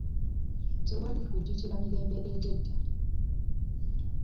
Tewali kujjukira mirembe egy'edda.